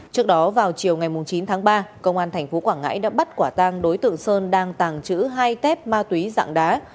trước đó vào chiều ngày chín tháng ba công an tp quảng ngãi đã bắt quả tang đối tượng sơn đang tàng trữ hai tép ma túy dạng đá